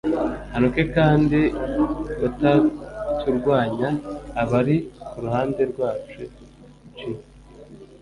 antuke f Kandi utaturwanya aba ari ku ruhande rwacu g